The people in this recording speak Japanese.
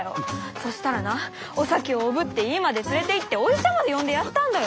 そしたらなお咲をおぶって家まで連れて行ってお医者まで呼んでやったんだよ。